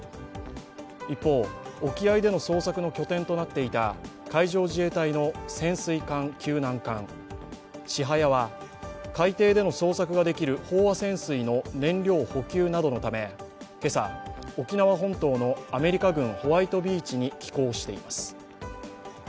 一方、沖合での捜索の拠点となっていた海上自衛隊の潜水艦救難艦「ちはや」は海底での捜索が出来る飽和潜水の燃料補給などのため今朝、沖縄本島のアメリカ軍ホワイトビーチに寄港しています。